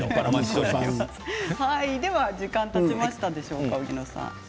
時間がたちましたでしょうか荻野さん。